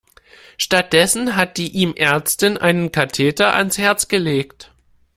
Stattdessen hat die ihm Ärztin einen Katheter ans Herz gelegt.